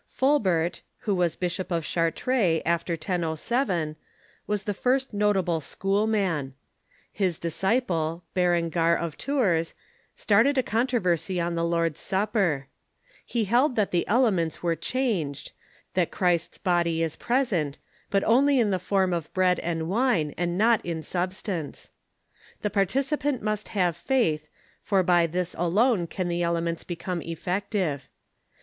Fulbert, who was Bishop of Chartres after 1007, was the first notable Schoolman. His disciple, Berengar of Tours, started a controversy on the Lord's Supper. He held and other that the elements were changed, that Clirist's body Schoolmen ^ p^gggnt;^ j^y^ oi^jy jj^ i\^q form of bread and wine, and not in substance. The participant must have faith, for by this alone can the elements become effective.